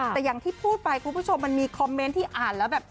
แต่อย่างที่พูดไปคุณผู้ชมมันมีคอมเมนต์ที่อ่านแล้วแบบ